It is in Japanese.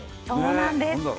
そうなんです。